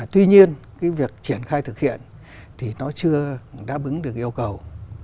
tuy nhiên cái việc triển khai thực hiện thì nó chưa đáp ứng được yêu cầu